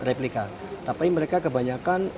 replika tapi mereka kebanyakan